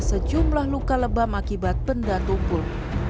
sejumlah luka lebam akibat benda tumpul